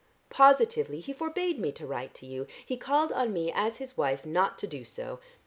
Positively he forbade me to write to you, he called on me as his wife not so to do.